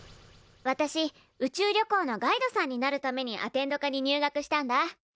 私宇宙旅行のガイドさんになるためにアテンド科に入学したんだ。